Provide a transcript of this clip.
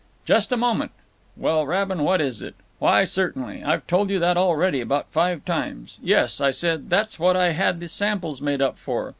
"Just a moment. (Well, Rabin, what is it? Why certainly. I've told you that already about five times. Yes, I said—that's what I had the samples made up for.